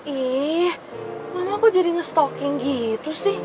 ih mama kok jadi nge stalking gitu sih